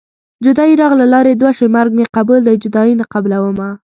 جدايي راغله لارې دوه شوې مرګ مې قبول دی جدايي نه قبلومه